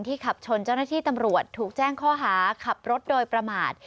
ขับชนเจ้าหน้าที่ตำรวจถูกแจ้งข้อหาขับรถโดยประมาท